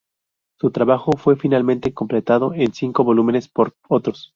Su trabajo fue finalmente completado, en cinco volúmenes, por otros.